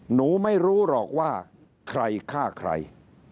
หนูไม่รู้หรอกว่าใครฆ่าใคร